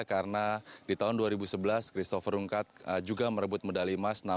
karena di tahun dua ribu sebelas christopher rungkat juga merebut medali emas